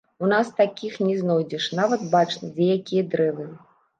У нас такіх не знойдзеш, нават бачна, дзе якія дрэвы.